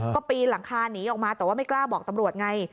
ก็ปีนหลังคาหนีออกมาแต่ว่าไม่กล้าบอกตำรวจไง